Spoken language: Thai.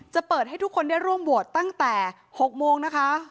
เปิดให้ทุกคนได้ร่วมโหวตตั้งแต่๖โมงนะคะ